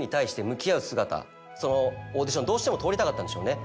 そのオーディションどうしても通りたかったんでしょうね。